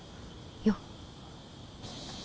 よっ。